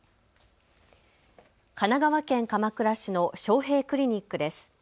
神奈川県鎌倉市の章平クリニックです。